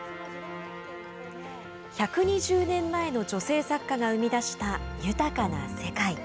１２０年前の女性作家が生み出した豊かな世界。